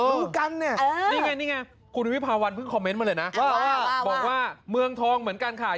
รู้กันเนี่ยนี่ไงนี่ไงคุณวิภาวันเพิ่งคอมเมนต์มาเลยนะว่าบอกว่าเมืองทองเหมือนกันค่ะ